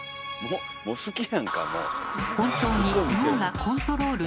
好きやんかもう。